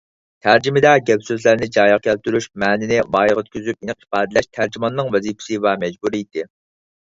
تەرجىمىدە گەپ - سۆزلەرنى جايىغا كەلتۈرۈش، مەنىنى ۋايىغا يەتكۈزۈپ ئېنىق ئىپادىلەش تەرجىماننىڭ ۋەزىپىسى ۋە مەجبۇرىيىتى.